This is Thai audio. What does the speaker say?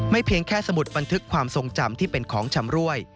เพียงแค่สมุดบันทึกความทรงจำที่เป็นของชำรวย